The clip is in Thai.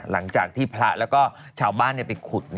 หลังจากที่พระแล้วก็ชาวบ้านไปขุด